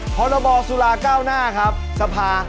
เพราะเราบอกสุราข้าวหน้า